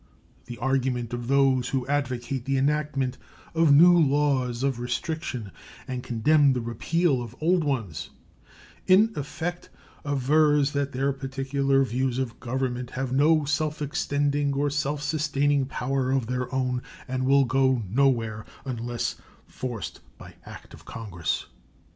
The argument of those who advocate the enactment of new laws of restriction and condemn the repeal of old ones in effect avers that their particular views of government have no self extending or self sustaining power of their own, and will go nowhere unless forced by act of Congress.